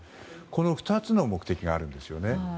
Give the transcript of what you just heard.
この２つの目的があるんですよね。